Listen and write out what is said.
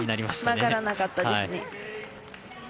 曲がらなかったですね。